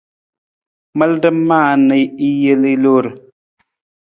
Malada maa na i jel i loor.